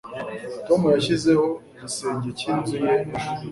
tom yashyizeho igisenge cyinzu ye ejo